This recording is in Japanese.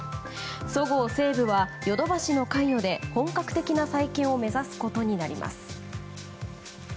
そごう・西武はヨドバシの関与で本格的な再建を目指すことになります。